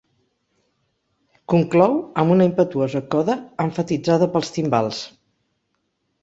Conclou amb una impetuosa coda emfatitzada pels timbals.